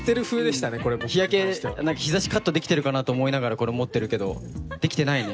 日差しカットできてるかなと思いながら持ってるけどできてないね。